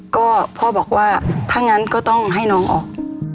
ก็พ่อบอกว่าถ้างั้นก็ต้องให้น้องออก